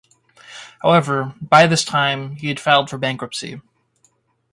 However, by this time, he had filed for bankruptcy.